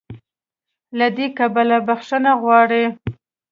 له دې کبله "بخښنه غواړي"